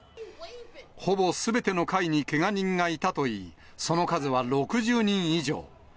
ほぼすべての階にけが人がいたといい、その数は６０人以上。